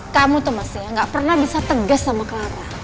kamu tuh masih gak pernah bisa tegas sama clara